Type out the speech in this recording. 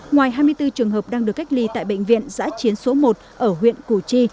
ngoài hai mươi bốn trường hợp đang được cách ly tại bệnh viện giã chiến số một ở huyện củ chi